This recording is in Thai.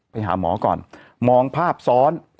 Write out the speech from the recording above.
ไปหาหมอก่อนมองภาพซ้อน